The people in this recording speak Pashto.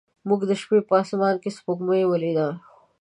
موږ د شپې په اسمان کې سپوږمۍ ولیده.